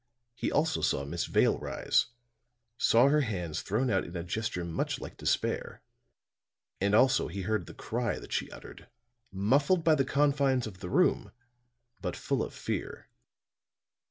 He also saw Miss Vale rise, saw her hands thrown out in a gesture much like despair; and also he heard the cry that she uttered, muffled by the confines of the room, but full of fear.